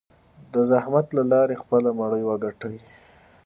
د زحمت له لارې خپله مړۍ وګټي.